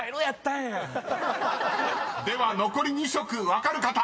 ［では残り２色分かる方］